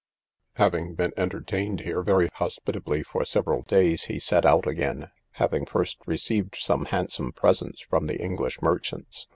Having been entertained here very hospitably for several days, he set out again, having first received some handsome presents from the English merchants.